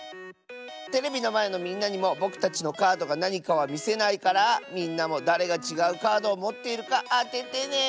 テレビのまえのみんなにもぼくたちのカードがなにかはみせないからみんなもだれがちがうカードをもっているかあててね！